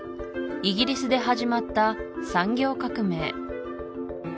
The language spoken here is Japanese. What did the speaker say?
イギリスで始まった産業革命